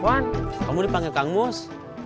wan kamu dipanggil kang mus